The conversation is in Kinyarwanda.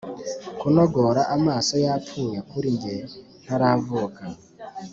kunogora amaso yapfuye kuri njye, ntaravuka,